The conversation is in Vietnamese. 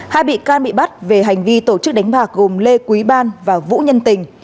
hai bị can bị bắt về hành vi tổ chức đánh bạc gồm lê quý ban và vũ nhân tình